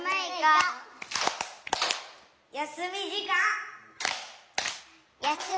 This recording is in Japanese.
「やすみじかん」。